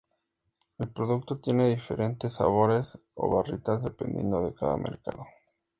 El producto tiene diferentes sabores o barritas dependiendo de cada mercado.